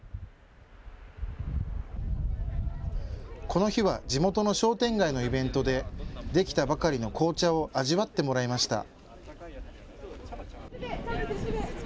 この日は地元の商店街のイベントで出来たばかりの紅茶を味わってもらいました。